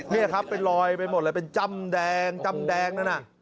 นี่ครับเป็นรอยไปหมดแล้วเป็นจำแดงนั่น